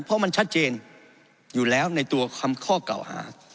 เพราะมันชัดเจนอยู่แล้วในตัวคำข้อเก่าหา